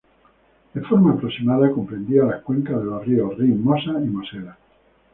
De forma aproximada comprendía las cuencas de los ríos Rin, Mosa y Mosela.